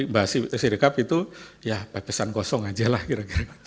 bahas sirecap itu ya bebesan kosong aja lah kira kira gitu